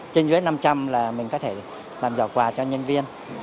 trên dưới năm trăm linh là mình có thể làm giỏ quà cho nhân viên